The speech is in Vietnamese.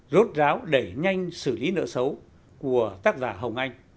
rốt ráo đẩy nhanh xử lý nợ xấu của tác giả hồng anh